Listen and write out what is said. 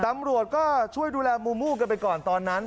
ตำรวจก็ช่วยดูแลมูมูกันไปก่อนตอนนั้น